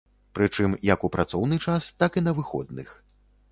Прычым, як у працоўны час, так і на выходных.